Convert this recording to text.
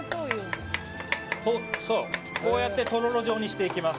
こうやってとろろ状にしていきます。